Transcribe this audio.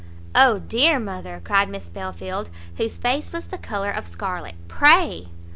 "O dear mother!" cried Miss Belfield, whose face was the colour of scarlet, "pray!"